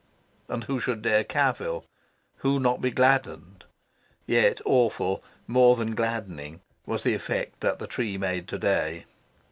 And who should dare cavil? who not be gladdened? Yet awful, more than gladdening, was the effect that the tree made to day.